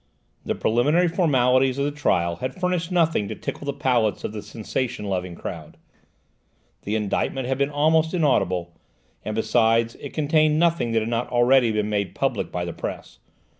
The preliminary formalities of the trial had furnished nothing to tickle the palates of the sensation loving crowd. The indictment had been almost inaudible, and, besides, it contained nothing that had not already been made public by the Press.